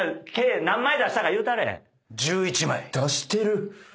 出してる！